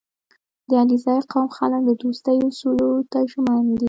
• د علیزي قوم خلک د دوستۍ اصولو ته ژمن دي.